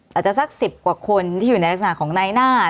อาจจะสัก๑๐กว่าคนที่อยู่ในลักษณะของนายหน้า